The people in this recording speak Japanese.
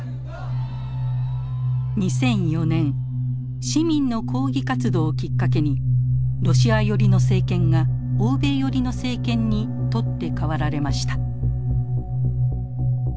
２００４年市民の抗議活動をきっかけにロシア寄りの政権が欧米寄りの政権に取って代わられました。